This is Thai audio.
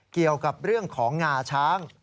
เกี่ยวกับเรื่องของงาช้าง